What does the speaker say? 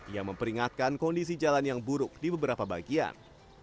yang memperingatkan kondisi jalan yang buruk di beberapa bagian